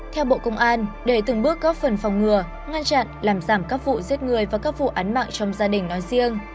theo bộ công an để từng bước góp phần phòng ngừa ngăn chặn làm giảm các vụ giết người và các vụ án mạng trong gia đình nói riêng